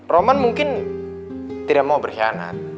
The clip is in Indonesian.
roman mungkin tidak mau berkhianat